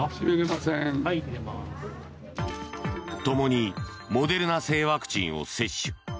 ともにモデルナ製ワクチンを接種。